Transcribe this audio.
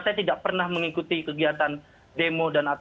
saya tidak pernah mengikuti kegiatan demo